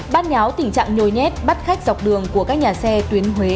ban nháo tình trạng nhồi nhét bắt khách dọc đường của các nhà xe tuyến huế